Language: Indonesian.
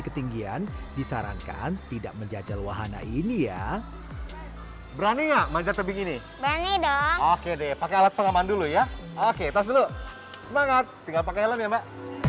ketinggian disarankan tidak menjajal wahana ini ya berani enggak maga tebing ini oke deh pakai alat pengaman dulu ya oke tas dulu semangat tinggal pakai helm ya mbak